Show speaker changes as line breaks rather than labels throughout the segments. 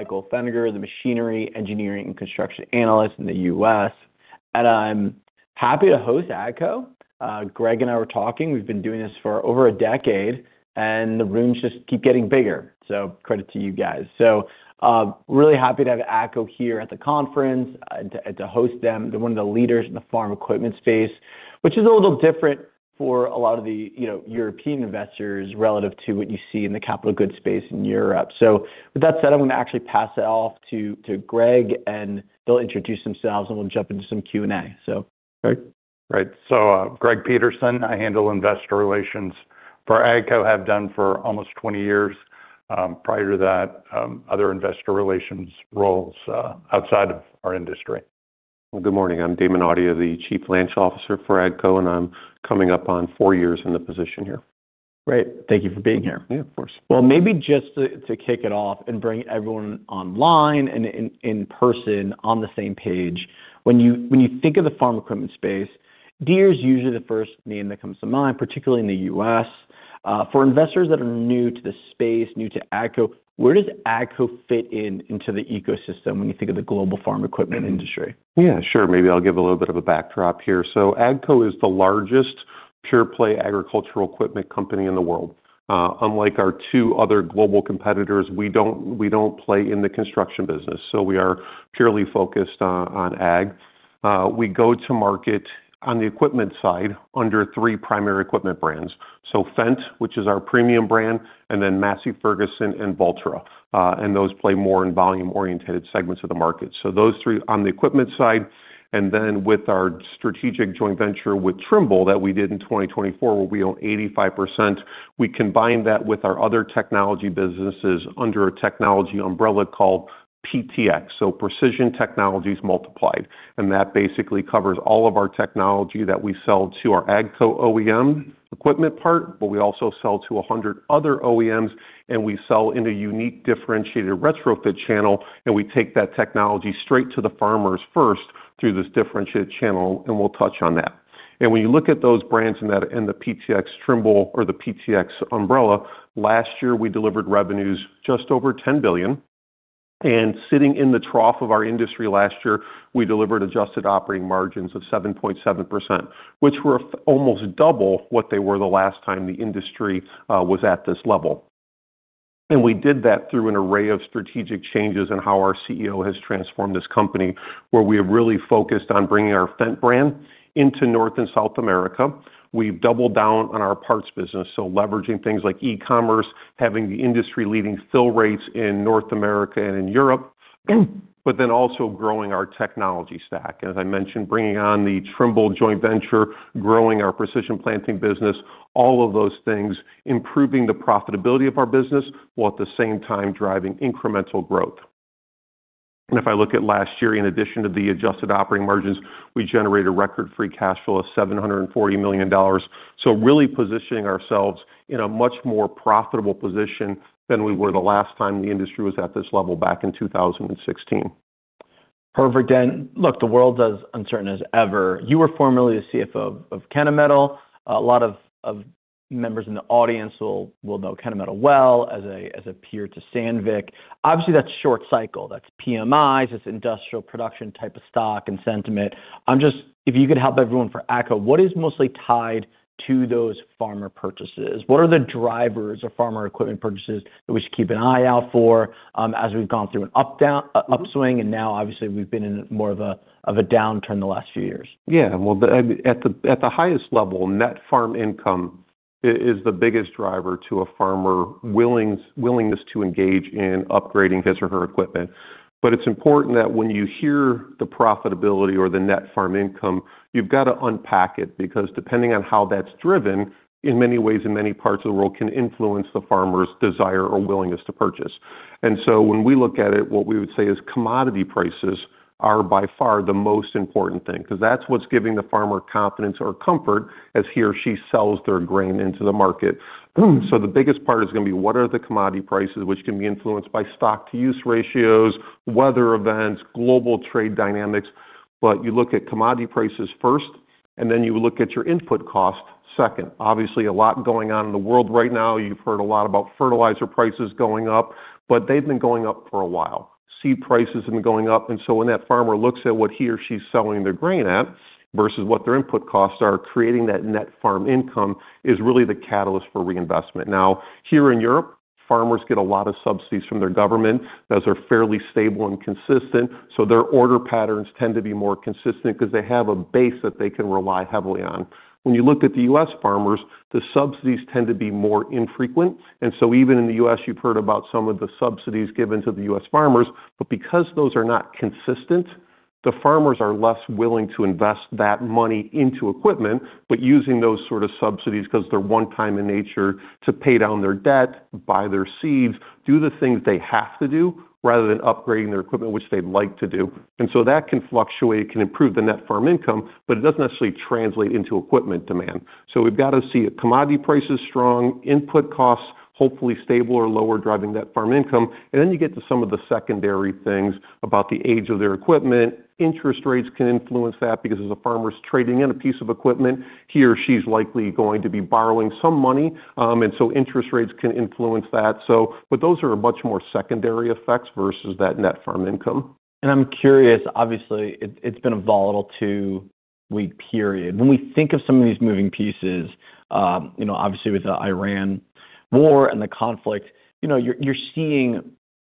Michael Feniger, the Machinery, Engineering and Construction Analyst in the U.S.. I'm happy to host AGCO. Greg and I were talking. We've been doing this for over a decade, and the rooms just keep getting bigger. Credit to you guys. Really happy to have AGCO here at the conference and to host them. They're one of the leaders in the farm equipment space, which is a little different for a lot of the, you know, European investors relative to what you see in the capital goods space in Europe. With that said, I'm gonna actually pass it off to Greg, and they'll introduce themselves, and we'll jump into some Q&A. Greg.
I'm Greg Peterson. I handle investor relations for AGCO, have done for almost 20 years. Prior to that, other investor relations roles outside of our industry.
Well, good morning. I'm Damon Audia, the Chief Financial Officer for AGCO, and I'm coming up on four years in the position here.
Great. Thank you for being here.
Yeah, of course.
Well, maybe just to kick it off and bring everyone online and in person on the same page, when you think of the farm equipment space, Deere is usually the first name that comes to mind, particularly in the U.S. For investors that are new to this space, new to AGCO, where does AGCO fit into the ecosystem when you think of the global farm equipment industry?
Yeah, sure. Maybe I'll give a little bit of a backdrop here. AGCO is the largest pure play agricultural equipment company in the world. Unlike our two other global competitors, we don't play in the construction business, so we are purely focused on ag. We go to market on the equipment side under three primary equipment brands. Fendt, which is our premium brand, and then Massey Ferguson and Valtra, and those play more in volume-oriented segments of the market. Those three on the equipment side. Then with our strategic joint venture with Trimble that we did in 2024, where we own 85%, we combine that with our other technology businesses under a technology umbrella called PTx, so Precision Technologies Multiplied. That basically covers all of our technology that we sell to our AGCO OEM equipment part, but we also sell to 100 other OEMs, and we sell in a unique differentiated retrofit channel, and we take that technology straight to the farmers first through this differentiated channel, and we'll touch on that. When you look at those brands and the PTx Trimble or the PTx umbrella, last year we delivered revenues just over $10 billion. Sitting in the trough of our industry last year, we delivered adjusted operating margins of 7.7%, which were almost double what they were the last time the industry was at this level. We did that through an array of strategic changes in how our CEO has transformed this company, where we have really focused on bringing our Fendt brand into North and South America. We've doubled down on our parts business, so leveraging things like e-commerce, having the industry-leading fill rates in North America and in Europe, but then also growing our technology stack. As I mentioned, bringing on the Trimble joint venture, growing our Precision Planting business, all of those things, improving the profitability of our business, while at the same time driving incremental growth. If I look at last year, in addition to the adjusted operating margins, we generated a record free cash flow of $740 million. Really positioning ourselves in a much more profitable position than we were the last time the industry was at this level back in 2016.
Perfect. Look, the world's as uncertain as ever. You were formerly the CFO of Kennametal. A lot of members in the audience will know Kennametal well as a peer to Sandvik. Obviously, that's short cycle. That's PMIs. It's industrial production type of stock and sentiment. If you could help everyone for AGCO, what is mostly tied to those farmer purchases? What are the drivers of farmer equipment purchases that we should keep an eye out for, as we've gone through an upswing, and now obviously we've been in more of a downturn the last few years?
Yeah. Well, at the highest level, net farm income is the biggest driver to a farmer willingness to engage in upgrading his or her equipment. It's important that when you hear the profitability or the net farm income, you've got to unpack it, because depending on how that's driven, in many ways, in many parts of the world can influence the farmer's desire or willingness to purchase. When we look at it, what we would say is commodity prices are by far the most important thing, 'cause that's what's giving the farmer confidence or comfort as he or she sells their grain into the market. The biggest part is gonna be what are the commodity prices, which can be influenced by stock-to-use ratios, weather events, global trade dynamics. You look at commodity prices first, and then you look at your input costs second. Obviously, a lot going on in the world right now. You've heard a lot about fertilizer prices going up, but they've been going up for a while. Seed prices have been going up. And so when that farmer looks at what he or she is selling their grain at versus what their input costs are, creating that net farm income is really the catalyst for reinvestment. Now, here in Europe, farmers get a lot of subsidies from their government. Those are fairly stable and consistent, so their order patterns tend to be more consistent because they have a base that they can rely heavily on. When you look at the U.S. farmers, the subsidies tend to be more infrequent. Even in the U.S., you've heard about some of the subsidies given to the U.S. farmers. Because those are not consistent, the farmers are less willing to invest that money into equipment, but using those sort of subsidies, because they're one-time in nature, to pay down their debt, buy their seeds, do the things they have to do rather than upgrading their equipment, which they'd like to do. That can fluctuate. It can improve the net farm income, but it doesn't necessarily translate into equipment demand. We've got to see commodity prices strong, input costs hopefully stable or lower, driving net farm income. Then you get to some of the secondary things about the age of their equipment. Interest rates can influence that because as a farmer is trading in a piece of equipment, he or she's likely going to be borrowing some money. Interest rates can influence that. But those are much more secondary effects versus that net farm income.
I'm curious, obviously, it's been a volatile two-week period. When we think of some of these moving pieces, you know, obviously with Iran war and the conflict, you know, you're seeing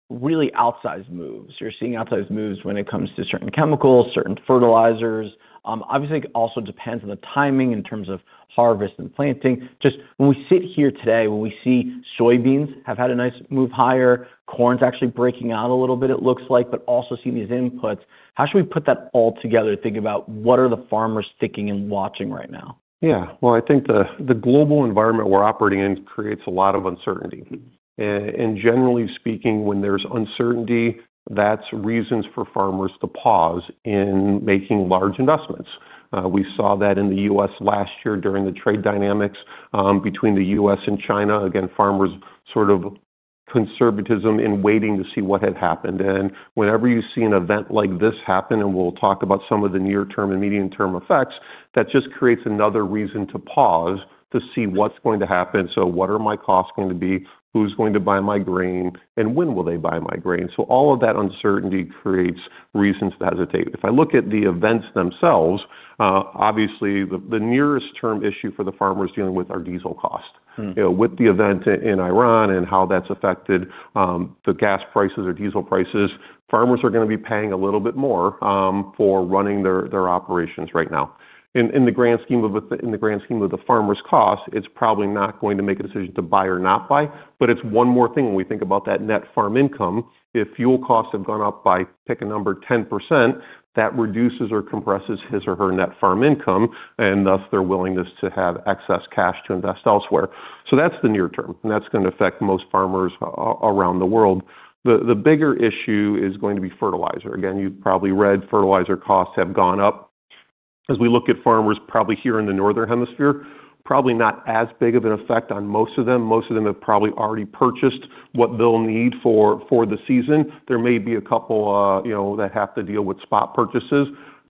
really outsized moves. You're seeing outsized moves when it comes to certain chemicals, certain fertilizers. Obviously it also depends on the timing in terms of harvest and planting. Just when we sit here today, when we see soybeans have had a nice move higher, corn's actually breaking out a little bit it looks like, but also seeing these inputs, how should we put that all together to think about what are the farmers thinking and watching right now?
Yeah. Well, I think the global environment we're operating in creates a lot of uncertainty. And generally speaking, when there's uncertainty, that's reasons for farmers to pause in making large investments. We saw that in the U.S. last year during the trade dynamics between the U.S. and China. Again, farmers sort of conservatism in waiting to see what had happened. Whenever you see an event like this happen, and we'll talk about some of the near term and medium term effects, that just creates another reason to pause to see what's going to happen. What are my costs going to be? Who's going to buy my grain, and when will they buy my grain? All of that uncertainty creates reasons to hesitate. If I look at the events themselves, obviously the nearest term issue for the farmers dealing with are diesel cost. You know, with the event in Iran and how that's affected the gas prices or diesel prices, farmers are gonna be paying a little bit more for running their operations right now. In the grand scheme of it, in the grand scheme of the farmer's cost, it's probably not going to make a decision to buy or not buy, but it's one more thing when we think about that net farm income. If fuel costs have gone up by, pick a number, 10%, that reduces or compresses his or her net farm income, and thus their willingness to have excess cash to invest elsewhere. That's the near term, and that's gonna affect most farmers around the world. The bigger issue is going to be fertilizer. Again, you've probably read fertilizer costs have gone up. As we look at farmers probably here in the northern hemisphere, probably not as big of an effect on most of them. Most of them have probably already purchased what they'll need for the season. There may be a couple, you know, that have to deal with spot purchases,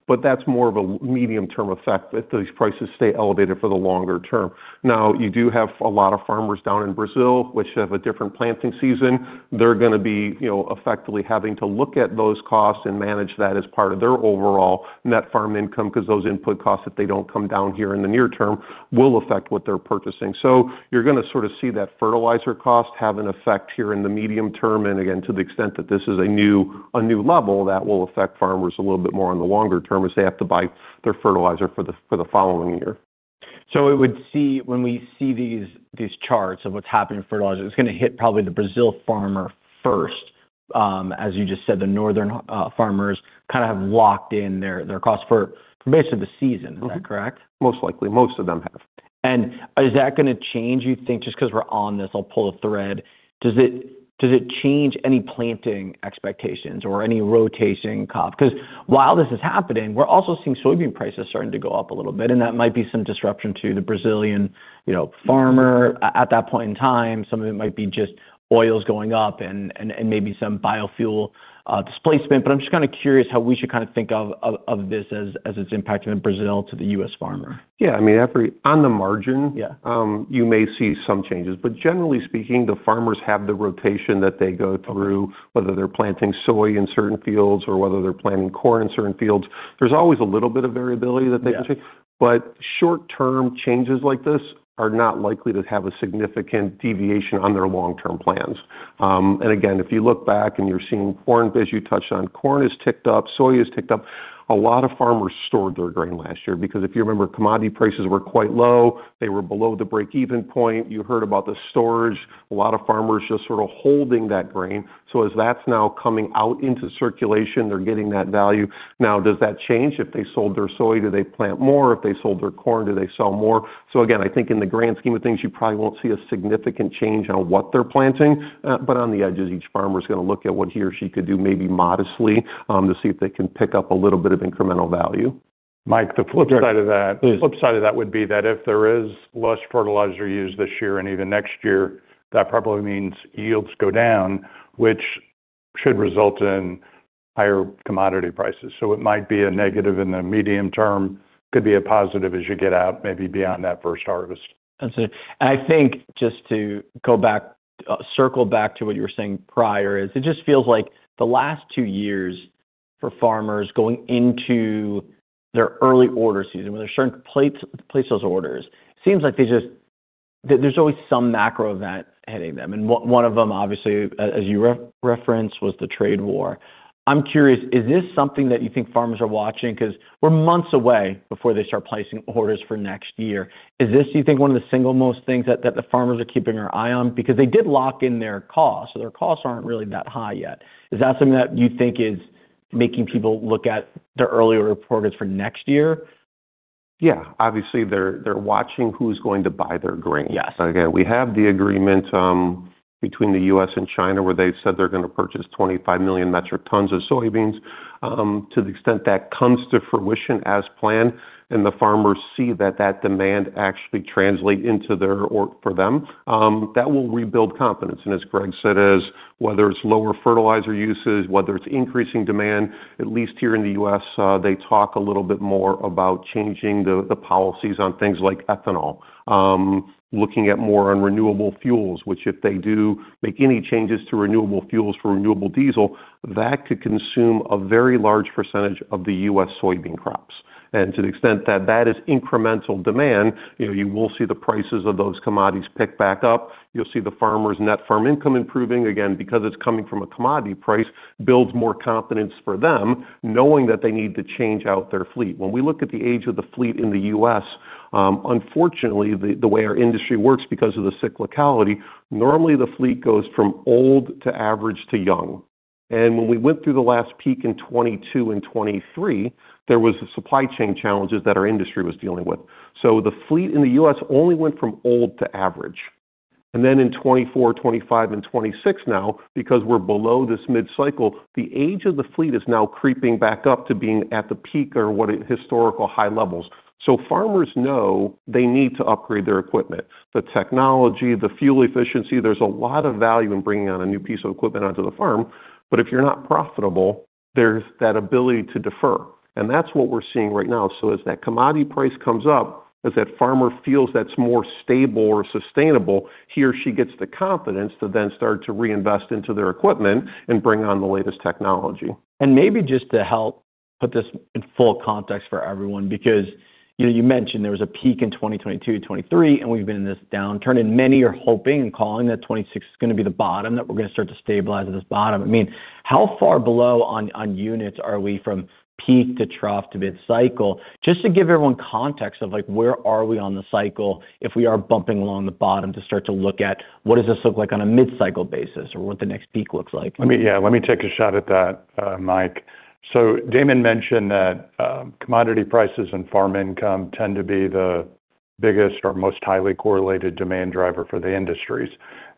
but that's more of a medium term effect if these prices stay elevated for the longer term. Now, you do have a lot of farmers down in Brazil which have a different planting season. They're gonna be, you know, effectively having to look at those costs and manage that as part of their overall net farm income, 'cause those input costs, if they don't come down here in the near term, will affect what they're purchasing. You're gonna sort of see that fertilizer cost have an effect here in the medium term, and again, to the extent that this is a new level, that will affect farmers a little bit more on the longer term as they have to buy their fertilizer for the following year.
It would seem when we see these charts of what's happening in fertilizer, it's gonna hit probably the Brazil farmer first. As you just said, the northern farmers kind of have locked in their costs for basically the season. Is that correct?
Most likely. Most of them have.
Is that gonna change, you think? Just 'cause we're on this, I'll pull a thread. Does it change any planting expectations or any rotation 'cause while this is happening, we're also seeing soybean prices starting to go up a little bit, and that might be some disruption to the Brazilian, you know, farmer at that point in time. Some of it might be just oils going up and maybe some biofuel displacement. But I'm just kinda curious how we should kinda think of this as it's impacting in Brazil to the U.S. farmer.
Yeah, I mean, on the margin, you may see some changes. Generally speaking, the farmers have the rotation that they go through. Whether they're planting soy in certain fields or whether they're planting corn in certain fields. There's always a little bit of variability that they can see. Short-term changes like this are not likely to have a significant deviation on their long-term plans. If you look back and you're seeing corn, as you touched on, corn has ticked up, soya has ticked up. A lot of farmers stored their grain last year because if you remember, commodity prices were quite low. They were below the break-even point. You heard about the storage. A lot of farmers just sort of holding that grain. As that's now coming out into circulation, they're getting that value. Now, does that change if they sold their soy? Do they plant more if they sold their corn? Do they sell more? Again, I think in the grand scheme of things, you probably won't see a significant change on what they're planting. On the edges, each farmer's gonna look at what he or she could do, maybe modestly, to see if they can pick up a little bit of incremental value.
Mike, the flip side of that would be that if there is less fertilizer used this year and even next year, that probably means yields go down, which should result in higher commodity prices. It might be a negative in the medium term, could be a positive as you get out, maybe beyond that first harvest.
Understood. I think, just to go back, circle back to what you were saying prior, it just feels like the last two years for farmers going into their early order season, when they're starting to place those orders, seems like they just there's always some macro event hitting them, and one of them obviously, as you referenced, was the trade war. I'm curious, is this something that you think farmers are watching? 'Cause we're months away before they start placing orders for next year. Is this, do you think, one of the single most things that the farmers are keeping their eye on? Because they did lock in their costs, so their costs aren't really that high yet. Is that something that you think is making people look at their earlier orders for next year?
Yeah, obviously they're watching who's going to buy their grain. Again, we have the agreement between the U.S. and China where they've said they're gonna purchase 25 million metric tons of soybeans. To the extent that comes to fruition as planned and the farmers see that demand actually translate into their for them, that will rebuild confidence. As Greg said, it's whether it's lower fertilizer uses, whether it's increasing demand, at least here in the U.S., they talk a little bit more about changing the policies on things like ethanol, looking at more on renewable fuels, which if they do make any changes to renewable fuels for renewable diesel, that could consume a very large percentage of the U.S. soybean crops. To the extent that is incremental demand, you know, you will see the prices of those commodities pick back up. You'll see the farmers' net farm income improving again, because it's coming from a commodity price builds more confidence for them, knowing that they need to change out their fleet. When we look at the age of the fleet in the U.S., unfortunately, the way our industry works because of the cyclicality, normally the fleet goes from old to average to young. When we went through the last peak in 2022 and 2023, there was the supply chain challenges that our industry was dealing with. The fleet in the U.S. only went from old to average. Then in 2024, 2025 and 2026 now, because we're below this mid-cycle, the age of the fleet is now creeping back up to being at the peak or what at historical high levels. Farmers know they need to upgrade their equipment. The technology, the fuel efficiency, there's a lot of value in bringing on a new piece of equipment onto the farm. If you're not profitable, there's that ability to defer. That's what we're seeing right now. As that commodity price comes up, as that farmer feels that's more stable or sustainable, he or she gets the confidence to then start to reinvest into their equipment and bring on the latest technology.
Maybe just to help put this in full context for everyone, because, you know, you mentioned there was a peak in 2022, 2023, and we've been in this downturn, and many are hoping and calling that 2026 is gonna be the bottom, that we're gonna start to stabilize at this bottom. I mean, how far below on units are we from peak to trough to mid-cycle? Just to give everyone context of, like, where are we on the cycle if we are bumping along the bottom to start to look at what does this look like on a mid-cycle basis or what the next peak looks like.
Let me take a shot at that, Mike. Damon mentioned that commodity prices and farm income tend to be the biggest or most highly correlated demand driver for the industries.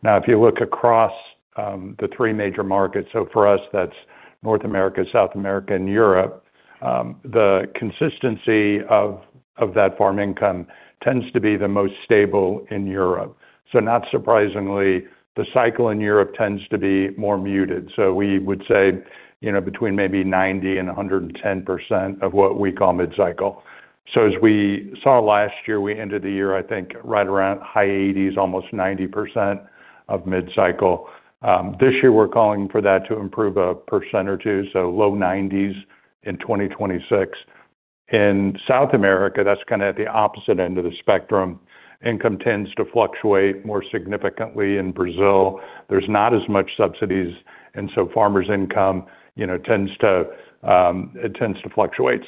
Now, if you look across the three major markets, for us, that's North America, South America and Europe, the consistency of that farm income tends to be the most stable in Europe. Not surprisingly, the cycle in Europe tends to be more muted. We would say, you know, between maybe 90% and 110% of what we call mid-cycle. As we saw last year, we ended the year, I think, right around high 80s, almost 90% of mid-cycle. This year we're calling for that to improve 1% or 2%, so low 90s in 2026. In South America, that's kinda at the opposite end of the spectrum. Income tends to fluctuate more significantly in Brazil. There's not as much subsidies, and farmers' income, you know, tends to fluctuate.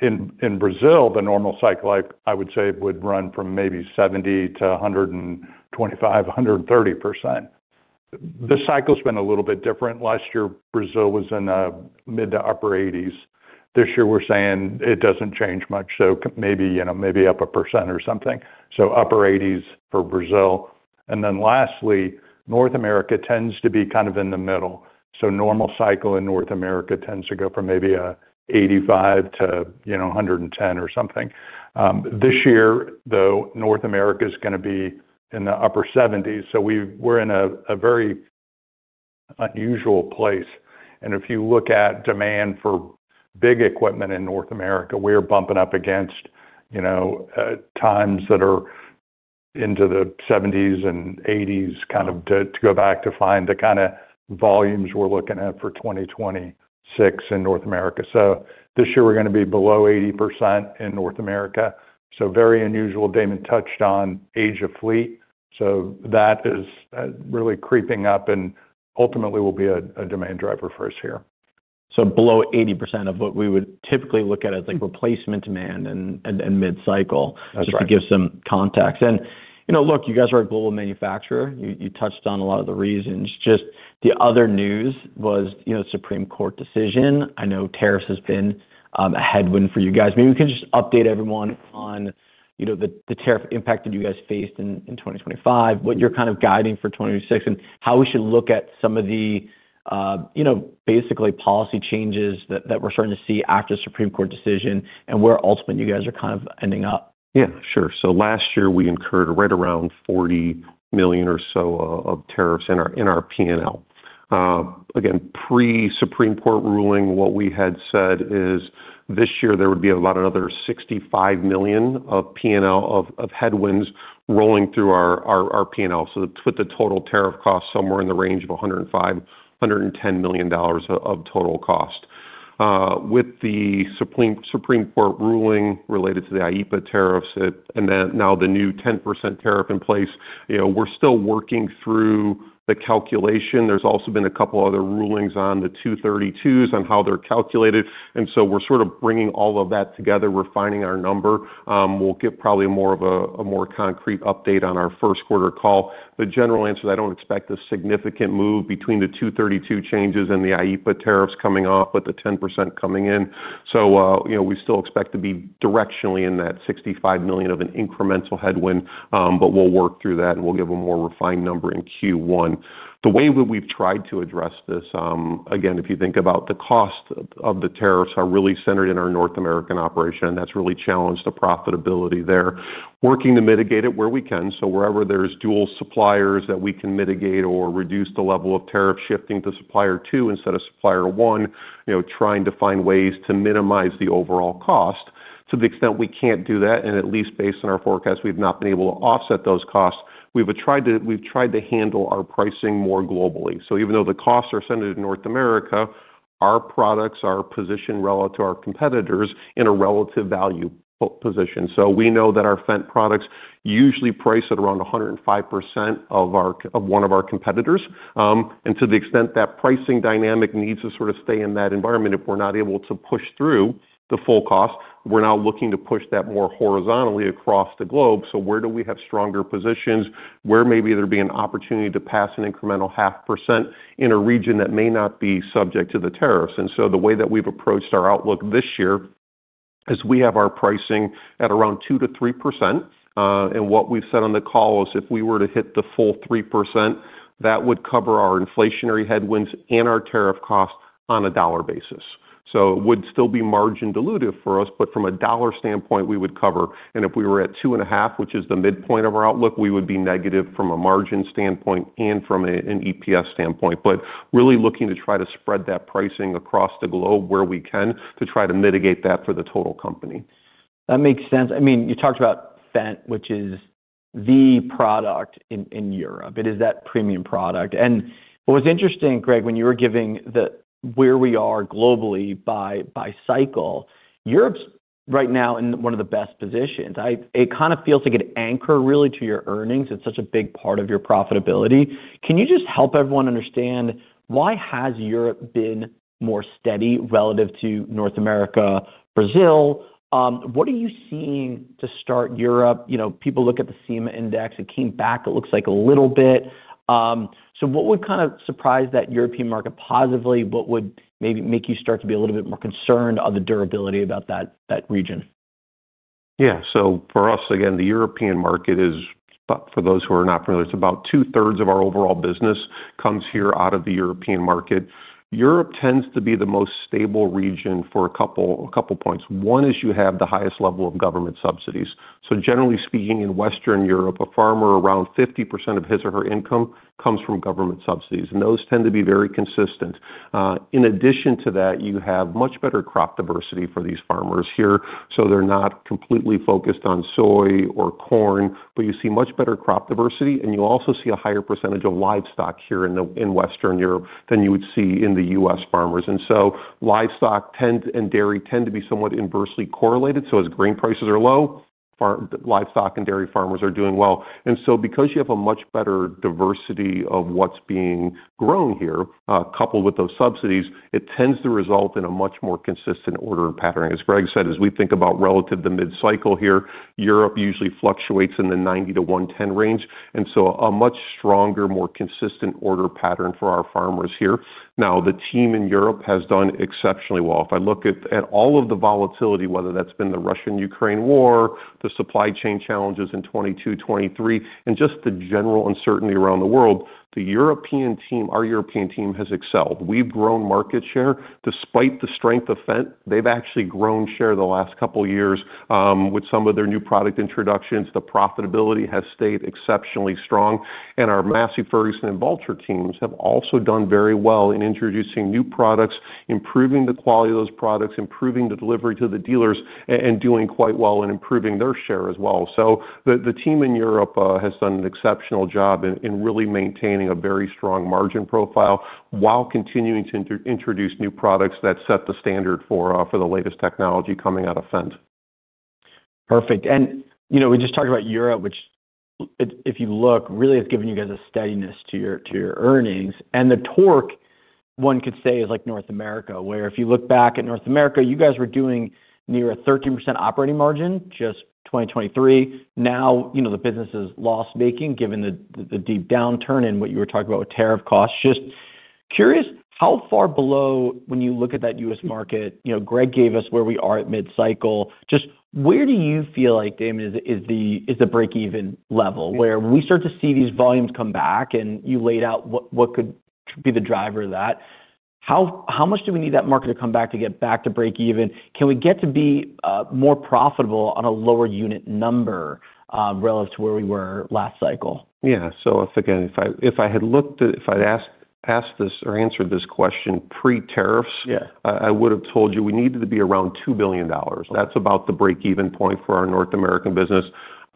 In Brazil, the normal cycle life, I would say would run from maybe 70%-125%, 130%. This cycle's been a little bit different. Last year, Brazil was in mid- to upper 80s. This year we're saying it doesn't change much, maybe up 1% or something. Upper 80s for Brazil. Lastly, North America tends to be kind of in the middle. Normal cycle in North America tends to go from maybe 85%-110% or something. This year, though, North America's gonna be in the upper 70s, so we're in a very unusual place. If you look at demand for big equipment in North America, we're bumping up against, you know, times that are into the 70s and 80s, kind of to go back to find the kinda volumes we're looking at for 2026 in North America. This year we're gonna be below 80% in North America. Very unusual. Damon touched on age of fleet, so that is really creeping up and ultimately will be a demand driver for us here.
So, below 80% of what we would typically look at as, like, replacement demand and mid-cycle.
That's right.
Just to give some context. You know, look, you guys are a global manufacturer. You touched on a lot of the reasons. Just the other news was, you know, Supreme Court decision. I know tariffs has been a headwind for you guys. Maybe we can just update everyone on, you know, the tariff impact that you guys faced in 2025, what you're kind of guiding for 2026, and how we should look at some of the, you know, basically policy changes that we're starting to see after Supreme Court decision and where ultimately you guys are kind of ending up.
Yeah, sure. Last year we incurred right around $40 million or so of tariffs in our P&L. Again, pre-Supreme Court ruling, what we had said is this year there would be about another $65 million of P&L headwinds rolling through our P&L. To put the total tariff cost somewhere in the range of $105 million-$110 million of total cost. With the Supreme Court ruling related to the IEEPA tariffs and then now the new 10% tariff in place, you know, we're still working through the calculation. There's also been a couple other rulings on the Section 232s on how they're calculated. We're sort of bringing all of that together, refining our number. We'll give probably more of a more concrete update on our first quarter call. The general answer, I don't expect a significant move between the 232 changes and the IEEPA tariffs coming off with the 10% coming in. You know, we still expect to be directionally in that $65 million of an incremental headwind, but we'll work through that and we'll give a more refined number in Q1. The way that we've tried to address this, again, if you think about the cost of the tariffs are really centered in our North American operation, that's really challenged the profitability there. Working to mitigate it where we can. Wherever there's dual suppliers that we can mitigate or reduce the level of tariff shifting to supplier two instead of supplier one, you know, trying to find ways to minimize the overall cost. To the extent we can't do that, and at least based on our forecast, we've not been able to offset those costs. We've tried to handle our pricing more globally. Even though the costs are centered in North America, our products are positioned relative to our competitors in a relative value position. We know that our Fendt products usually price at around 105% of one of our competitors. To the extent that pricing dynamic needs to sort of stay in that environment, if we're not able to push through the full cost, we're now looking to push that more horizontally across the globe. Where do we have stronger positions? Where maybe there'd be an opportunity to pass an incremental 0.5% in a region that may not be subject to the tariffs? The way that we've approached our outlook this year is we have our pricing at around 2%-3%. What we've said on the call is if we were to hit the full 3%, that would cover our inflationary headwinds and our tariff costs on a dollar basis. It would still be margin dilutive for us, but from a dollar standpoint, we would cover. If we were at 2.5%, which is the midpoint of our outlook, we would be negative from a margin standpoint and from an EPS standpoint. Really looking to try to spread that pricing across the globe where we can to try to mitigate that for the total company.
That makes sense. I mean, you talked about Fendt, which is the product in Europe. It is that premium product. What was interesting, Greg, when you were giving the where we are globally by cycle, Europe's right now in one of the best positions. It kind of feels like an anchor really to your earnings. It's such a big part of your profitability. Can you just help everyone understand why has Europe been more steady relative to North America, Brazil? What are you seeing? To start, Europe. You know, people look at the CEMA Index, it came back, it looks like a little bit. So what would kind of surprise that European market positively? What would maybe make you start to be a little bit more concerned about the durability of that region?
Yeah. For us, again, the European market is, for those who are not familiar, it's about 2/3 of our overall business comes here out of the European market. Europe tends to be the most stable region for a couple points. One is you have the highest level of government subsidies. Generally speaking, in Western Europe, a farmer, around 50% of his or her income comes from government subsidies, and those tend to be very consistent. In addition to that, you have much better crop diversity for these farmers here, so they're not completely focused on soy or corn, but you see much better crop diversity, and you also see a higher percentage of livestock here in Western Europe than you would see in the U.S. farmers. Livestock and dairy tend to be somewhat inversely correlated. As grain prices are low, livestock and dairy farmers are doing well. Because you have a much better diversity of what's being grown here, coupled with those subsidies, it tends to result in a much more consistent order and pattern. As Greg said, as we think about relative to mid-cycle here, Europe usually fluctuates in the 90%-110% range, a much stronger, more consistent order pattern for our farmers here. Now, the team in Europe has done exceptionally well. If I look at all of the volatility, whether that's been the Russia-Ukraine War, the supply chain challenges in 2022, 2023, and just the general uncertainty around the world, the European team, our European team has excelled. We've grown market share. Despite the strength of Fendt, they've actually grown share the last couple years with some of their new product introductions. The profitability has stayed exceptionally strong. Our Massey Ferguson and Valtra teams have also done very well in introducing new products, improving the quality of those products, improving the delivery to the dealers, and doing quite well in improving their share as well. The team in Europe has done an exceptional job in really maintaining a very strong margin profile while continuing to introduce new products that set the standard for the latest technology coming out of Fendt.
Perfect. You know, we just talked about Europe, which if you look, really has given you guys a steadiness to your earnings. The torque, one could say, is like North America, where if you look back at North America, you guys were doing near a 13% operating margin, just 2023. Now, you know, the business is loss-making, given the deep downturn and what you were talking about with tariff costs. Just curious, how far below, when you look at that U.S. market, you know, Greg gave us where we are at mid-cycle. Just where do you feel like, Damon, is the break-even level? Well, when we start to see these volumes come back, and you laid out what could be the driver of that, how much do we need that market to come back to get back to break even? Can we get to be more profitable on a lower unit number relative to where we were last cycle?
Yeah. Again, if I'd asked this or answered this question pre-tariffs, I would have told you we needed to be around $2 billion. That's about the break-even point for our North American business.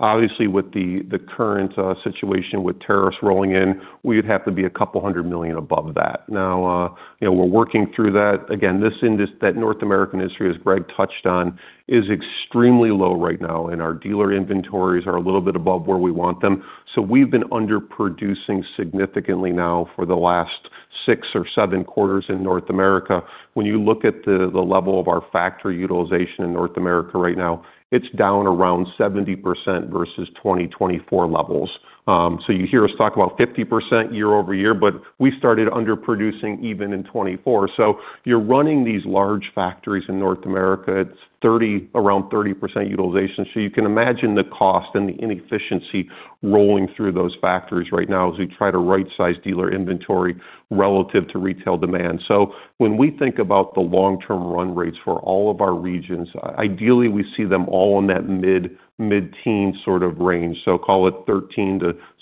Obviously, with the current situation with tariffs rolling in, we'd have to be a couple hundred million above that. Now, you know, we're working through that. Again, that North American industry, as Greg touched on, is extremely low right now, and our dealer inventories are a little bit above where we want them. We've been underproducing significantly now for the last six or seven quarters in North America. When you look at the level of our factory utilization in North America right now, it's down around 70% versus 2024 levels. You hear us talk about 50% year-over-year, but we started underproducing even in 2024. You're running these large factories in North America at around 30% utilization. You can imagine the cost and the inefficiency rolling through those factories right now as we try to right-size dealer inventory relative to retail demand. When we think about the long-term run rates for all of our regions, ideally, we see them all in that mid-teen sort of range. Call it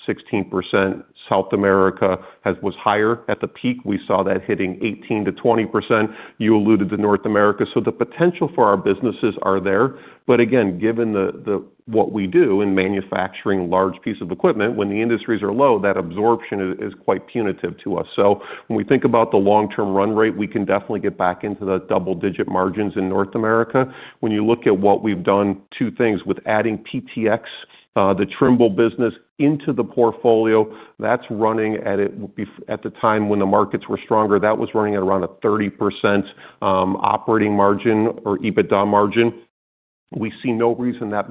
13%-16%. South America was higher. At the peak, we saw that hitting 18%-20%. You alluded to North America. The potential for our businesses are there. But again, given the what we do in manufacturing large piece of equipment, when the industries are low, that absorption is quite punitive to us. When we think about the long-term run rate, we can definitely get back into the double-digit margins in North America. When you look at what we've done, two things, with adding PTx, the Trimble business into the portfolio that's running at the time when the markets were stronger, that was running at around a 30% operating margin or EBITDA margin. We see no reason that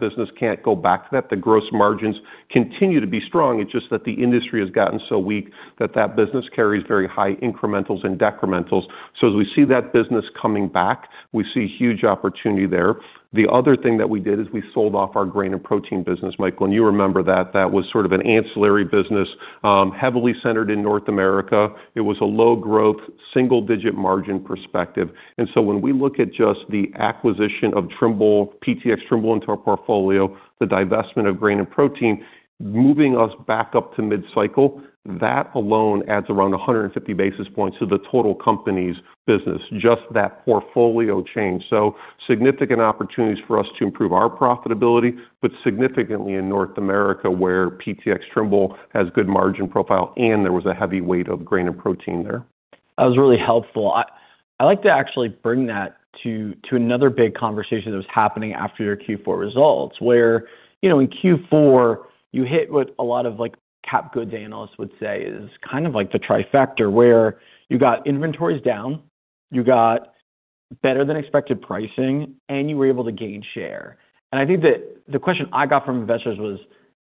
business can't go back to that. The gross margins continue to be strong. It's just that the industry has gotten so weak that that business carries very high incrementals and decrementals. As we see that business coming back, we see huge opportunity there. The other thing that we did is we sold off our Grain & Protein business, Michael, and you remember that. That was sort of an ancillary business, heavily centered in North America. It was a low growth, single-digit margin perspective. When we look at just the acquisition of Trimble, PTx Trimble into our portfolio, the divestment of Grain & Protein, moving us back up to mid-cycle, that alone adds around 150 basis points to the total company's business, just that portfolio change. Significant opportunities for us to improve our profitability, but significantly in North America, where PTx Trimble has good margin profile, and there was a heavy weight of Grain & Protein there.
That was really helpful. I like to actually bring that to another big conversation that was happening after your Q4 results, where, you know, in Q4 you hit what a lot of like capital goods analysts would say is kind of like the trifecta, where you got inventories down, you got better than expected pricing, and you were able to gain share. I think the question I got from investors was,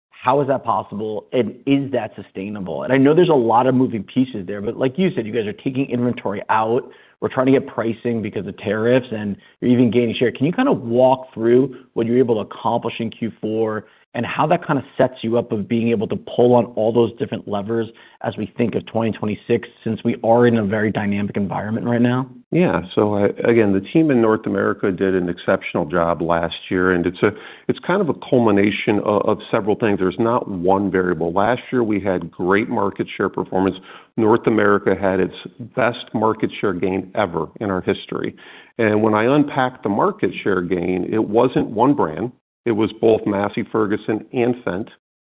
how is that possible, and is that sustainable? I know there's a lot of moving pieces there, but like you said, you guys are taking inventory out. We're trying to get pricing because of tariffs, and you're even gaining share. Can you kind of walk through what you're able to accomplish in Q4 and how that kind of sets you up for being able to pull on all those different levers as we think of 2026, since we are in a very dynamic environment right now?
Yeah. Again, the team in North America did an exceptional job last year, and it's kind of a culmination of several things. There's not one variable. Last year we had great market share performance. North America had its best market share gain ever in our history. When I unpack the market share gain, it wasn't one brand, it was both Massey Ferguson and Fendt,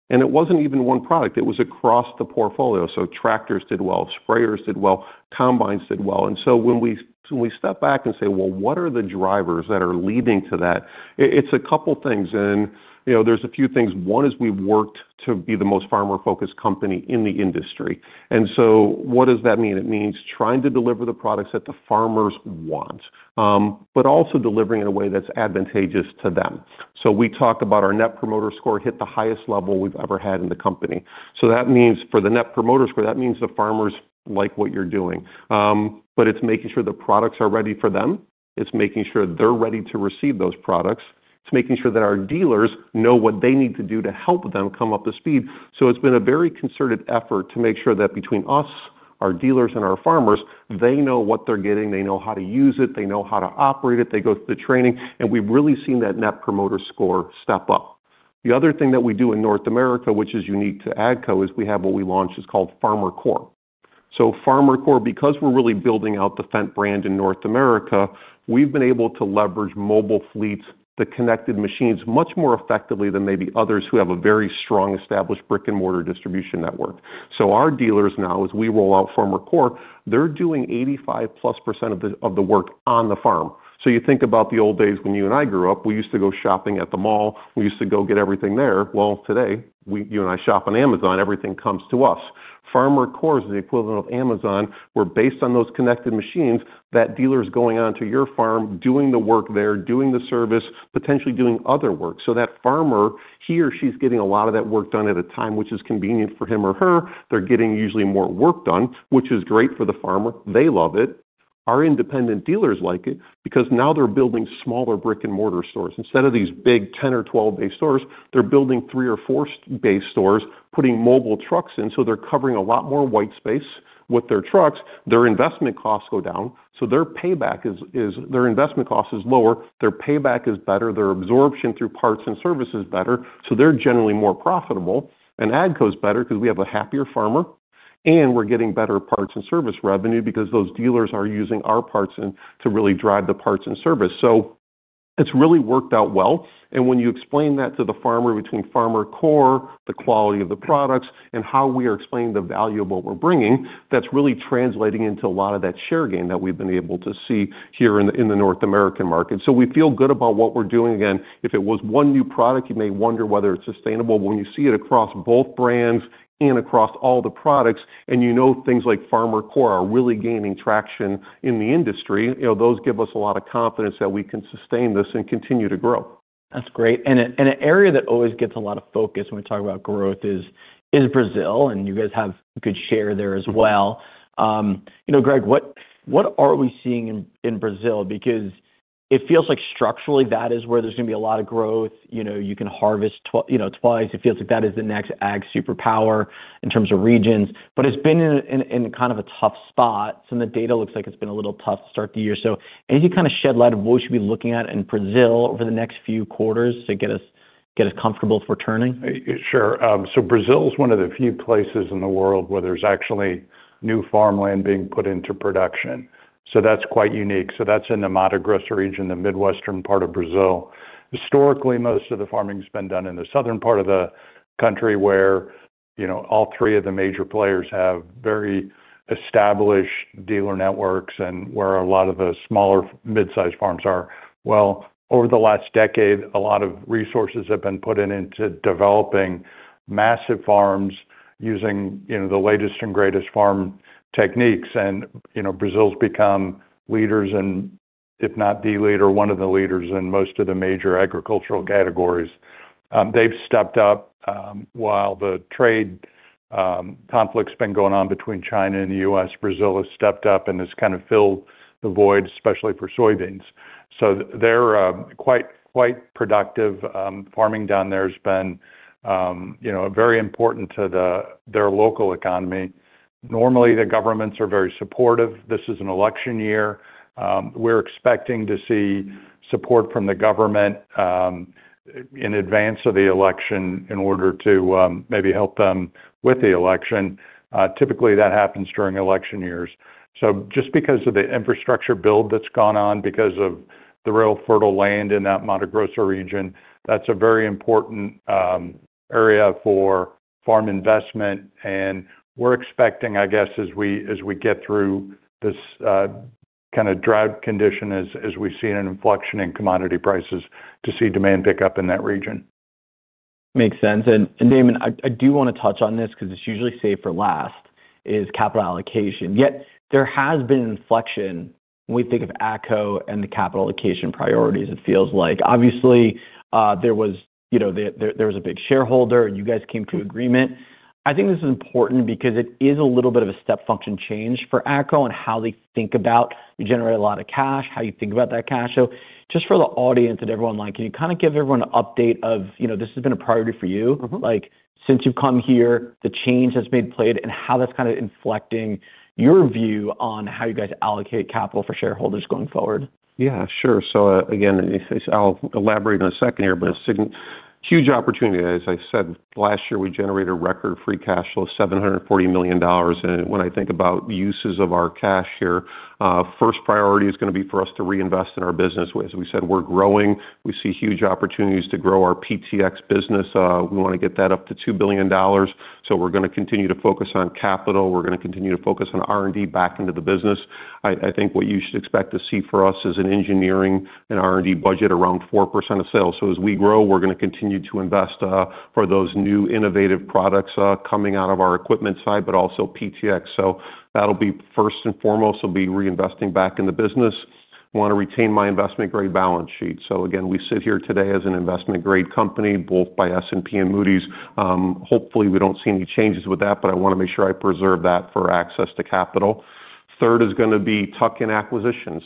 and it wasn't even one product. It was across the portfolio. So tractors did well, sprayers did well, combines did well. When we step back and say, "Well, what are the drivers that are leading to that?" It's a couple things, and you know, there's a few things. One is we've worked to be the most farmer-focused company in the industry. What does that mean? It means trying to deliver the products that the farmers want, but also delivering in a way that's advantageous to them. We talk about our Net Promoter Score hit the highest level we've ever had in the company. That means for the Net Promoter Score, that means the farmers like what you're doing. It's making sure the products are ready for them. It's making sure they're ready to receive those products. It's making sure that our dealers know what they need to do to help them come up to speed. It's been a very concerted effort to make sure that between us, our dealers, and our farmers, they know what they're getting, they know how to use it, they know how to operate it, they go through the training, and we've really seen that Net Promoter Score step up. The other thing that we do in North America, which is unique to AGCO, is we have what we launched is called FarmerCore. So, FarmerCore, because we're really building out the Fendt brand in North America, we've been able to leverage mobile fleets, the connected machines, much more effectively than maybe others who have a very strong established brick-and-mortar distribution network. Our dealers now, as we roll out FarmerCore, they're doing 85%+ of the work on the farm. You think about the old days when you and I grew up, we used to go shopping at the mall. We used to go get everything there. Well, today, you and I shop on Amazon, everything comes to us. FarmerCore is the equivalent of Amazon, where based on those connected machines, that dealer's going onto your farm, doing the work there, doing the service, potentially doing other work. That farmer, he or she's getting a lot of that work done at a time which is convenient for him or her. They're getting usually more work done, which is great for the farmer. They love it. Our independent dealers like it because now they're building smaller brick-and-mortar stores. Instead of these big 10 or 12 bay stores, they're building 3 or 4 bay stores, putting mobile trucks in, so they're covering a lot more white space with their trucks. Their investment costs go down, so their payback is their investment cost is lower, their payback is better, their absorption through parts and service is better, so they're generally more profitable. AGCO's better because we have a happier farmer, and we're getting better parts and service revenue because those dealers are using our parts and to really drive the parts and service. It's really worked out well. When you explain that to the farmer between FarmerCore, the quality of the products, and how we are explaining the value of what we're bringing, that's really translating into a lot of that share gain that we've been able to see here in the North American market. We feel good about what we're doing. Again, if it was one new product, you may wonder whether it's sustainable. When you see it across both brands and across all the products and you know things like FarmerCore are really gaining traction in the industry, you know, those give us a lot of confidence that we can sustain this and continue to grow.
That's great. An area that always gets a lot of focus when we talk about growth is Brazil, and you guys have good share there as well. You know, Greg, what are we seeing in Brazil? Because it feels like structurally that is where there's gonna be a lot of growth. You know, you can harvest twice. It feels like that is the next ag superpower in terms of regions. But it's been in kind of a tough spot, and the data looks like it's been a little tough to start the year. Any kind of shed light on what we should be looking at in Brazil over the next few quarters to get us comfortable if we're turning?
Sure. Brazil is one of the few places in the world where there's actually new farmland being put into production, so that's quite unique. That's in the Mato Grosso region, the Midwestern part of Brazil. Historically, most of the farming's been done in the southern part of the country where, you know, all three of the major players have very established dealer networks and where a lot of the smaller mid-sized farms are. Well, over the last decade, a lot of resources have been put into developing massive farms using, you know, the latest and greatest farm techniques. You know, Brazil's become leaders and if not the leader, one of the leaders in most of the major agricultural categories. They've stepped up while the trade conflict's been going on between China and the U.S. Brazil has stepped up and has kind of filled the void, especially for soybeans. They're quite productive. Farming down there has been, you know, very important to their local economy. Normally, the governments are very supportive. This is an election year. We're expecting to see support from the government in advance of the election in order to maybe help them with the election. Typically, that happens during election years. Just because of the infrastructure build that's gone on, because of the real fertile land in that Mato Grosso region, that's a very important area for farm investment. We're expecting, I guess, as we get through this kinda drought condition, as we've seen an inflection in commodity prices to see demand pick up in that region.
Makes sense. Damon, I do wanna touch on this 'cause it's usually saved for last, is capital allocation. Yet there has been inflection when we think of AGCO and the capital allocation priorities, it feels like. Obviously, there was a big shareholder and you guys came to agreement. I think this is important because it is a little bit of a step function change for AGCO on how they think about you generate a lot of cash, how you think about that cash flow. Just for the audience and everyone online, can you kinda give everyone an update of, this has been a priority for you. Like, since you've come here, the change that's being played and how that's kinda inflecting your view on how you guys allocate capital for shareholders going forward?
Yeah, sure. Again, as I say, I'll elaborate in a second here, but a huge opportunity. As I said, last year, we generated a record free cash flow of $740 million. When I think about the uses of our cash here, first priority is gonna be for us to reinvest in our business. As we said, we're growing. We see huge opportunities to grow our PTx business. We wanna get that up to $2 billion. We're gonna continue to focus on capital. We're gonna continue to focus on R&D back into the business. I think what you should expect to see for us is an engineering and R&D budget around 4% of sales. As we grow, we're gonna continue to invest for those new innovative products coming out of our equipment side, but also PTx. That'll be first and foremost, we'll be reinvesting back in the business. Wanna retain my investment-grade balance sheet. Again, we sit here today as an investment-grade company, both by S&P and Moody's. Hopefully, we don't see any changes with that, but I wanna make sure I preserve that for access to capital. Third is gonna be tuck-in acquisitions.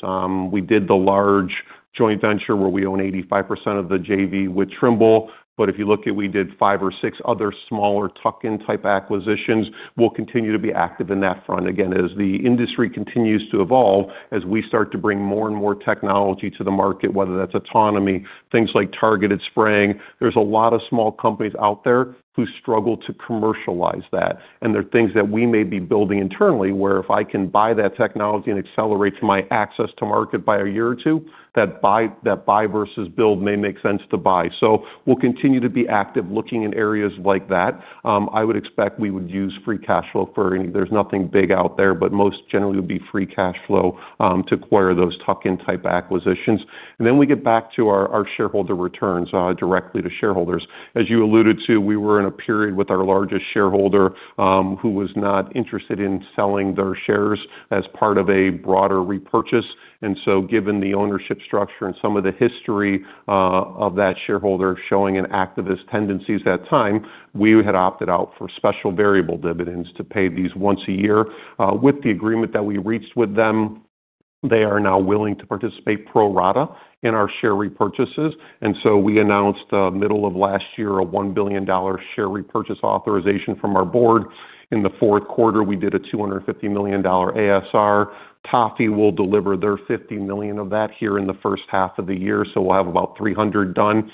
We did the large joint venture where we own 85% of the JV with Trimble. But if you look at, we did five or six other smaller tuck-in type acquisitions. We'll continue to be active in that front. Again, as the industry continues to evolve, as we start to bring more and more technology to the market, whether that's autonomy, things like targeted spraying, there's a lot of small companies out there who struggle to commercialize that. They're things that we may be building internally, where if I can buy that technology and accelerate my access to market by 1-2 years, that buy versus build may make sense to buy. We'll continue to be active looking in areas like that. I would expect we would use free cash flow for any. There's nothing big out there, but most generally would be free cash flow to acquire those tuck-in type acquisitions. We get back to our shareholder returns directly to shareholders. As you alluded to, we were in a period with our largest shareholder, who was not interested in selling their shares as part of a broader repurchase. Given the ownership structure and some of the history of that shareholder showing an activist tendencies at times, we had opted out for special variable dividends to pay these once a year. With the agreement that we reached with them, they are now willing to participate pro rata in our share repurchases. We announced middle of last year, a $1 billion share repurchase authorization from our board. In the fourth quarter, we did a $250 million ASR. TAFE will deliver their $50 million of that here in the first half of the year, so we'll have about $300 million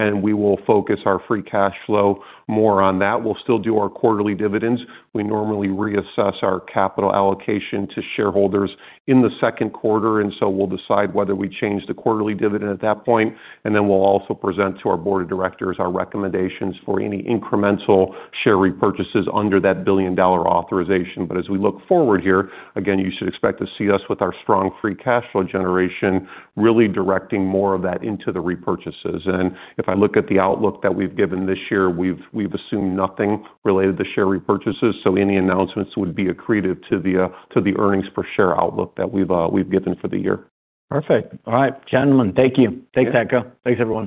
done. We will focus our free cash flow more on that. We'll still do our quarterly dividends. We normally reassess our capital allocation to shareholders in the second quarter, and so we'll decide whether we change the quarterly dividend at that point. We'll also present to our board of directors our recommendations for any incremental share repurchases under that $1 billion authorization. As we look forward here, again, you should expect to see us with our strong free cash flow generation, really directing more of that into the repurchases. If I look at the outlook that we've given this year, we've assumed nothing related to share repurchases, so any announcements would be accretive to the earnings per share outlook that we've given for the year.
Perfect. All right, gentlemen, thank you. Take care. Thanks, everyone.